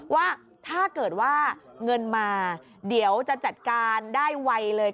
ว่าถ้าเกิดว่าเงินมาเดี๋ยวจะจัดการได้ไวเลย